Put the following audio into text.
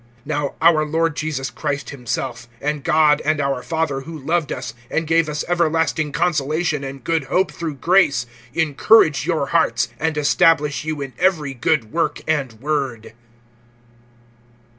(16)Now our Lord Jesus Christ himself, and God and our Father, who loved us, and gave us everlasting consolation and good hope through grace, (17)encourage your hearts, and establish you in every good work and word.